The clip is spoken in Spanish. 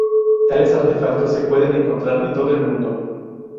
Tales artefactos se pueden encontrar en todo el mundo.